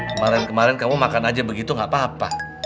kemarin kemarin kamu makan aja begitu gak papa